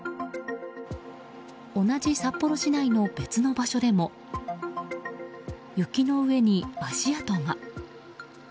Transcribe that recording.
同じ札幌市内の別の場所でも雪の上に足跡が。